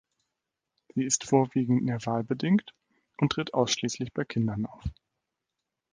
Sie ist vorwiegend nerval bedingt und tritt ausschließlich bei Kindern auf.